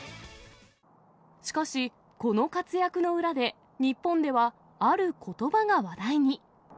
しかし、この活躍の裏で、日本ではあることばが話題に。